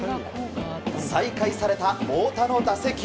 再開された太田の打席。